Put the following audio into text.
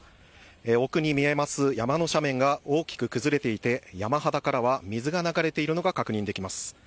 奥に見える山の斜面が大きく崩れていて山肌からは水が流れているのが確認できます。